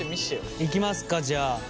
いきますかじゃあ。